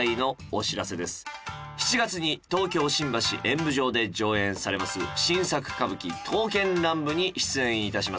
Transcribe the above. ７月に東京新橋演舞場で上演されます新作歌舞伎『刀剣乱舞』に出演致します。